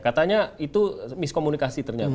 katanya itu miskomunikasi ternyata